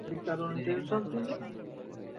আমি তাকে চিনি না এবং আমি বনী ইসরাঈলকে যেতে দেব না।